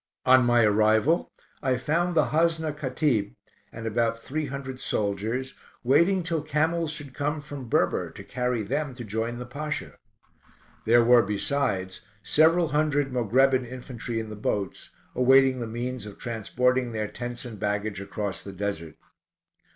On my arrival I found the Hasna Katib, and about three hundred soldiers, waiting till camels should come from Berber to carry them to join the Pasha. There were, besides, seven hundred Mogrebin infantry in the boats, awaiting the means of transporting their tents and baggage across the Desert.